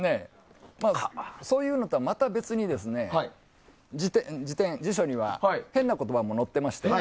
そういうのとはまた別に辞書には変な言葉も載っています。